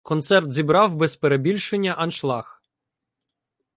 Концерт зібрав без перебільшення аншлаг.